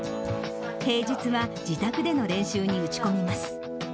平日は自宅での練習に打ち込みま